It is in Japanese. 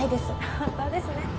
本当ですね・